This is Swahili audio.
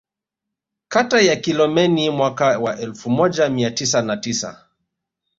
Kata ya Kilomeni mwaka wa elfu moja mia tisa na tisa